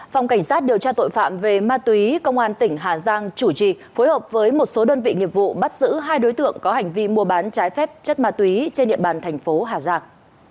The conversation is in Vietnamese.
phòng cảnh sát điều tra tội phạm về ma túy công an tỉnh hà giang chủ trì phối hợp với một số đơn vị nghiệp vụ bắt giữ hai đối tượng có hành vi mua bán trái phép chất ma túy trên địa bàn thành phố hà giang